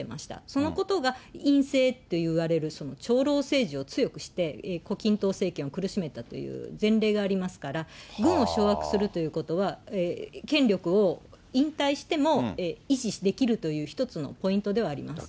そのことがいんせいといわれる長老政治を強くして、胡錦涛政権を苦しめたという前例がありますから、軍を掌握するということは、権力を引退しても維持できるという一つのポイントではあります。